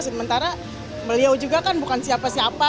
sementara beliau juga kan bukan siapa siapa